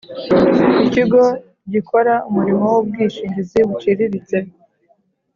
ikigo gikora umurimo w ubwishingizi buciriritse